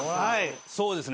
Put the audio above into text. そうですね